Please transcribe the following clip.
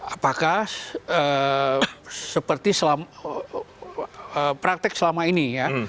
apakah seperti praktek selama ini ya